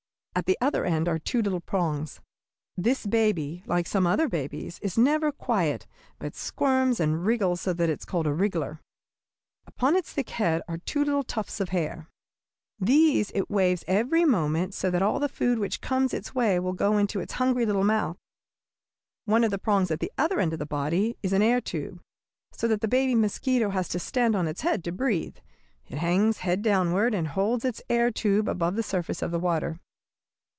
At the other end are two little prongs. This baby, like some other babies, is never quiet, but squirms and wriggles so that it is called a wriggler. Upon its thick head are two little tufts of hair. These it waves every moment, so that all the food which comes its way will go into its hungry little mouth. One of the prongs at the other end of the body is an air tube, so that the baby mosquito has to stand on its head to breathe. It hangs head downward, and holds its air tube above the surface of the water.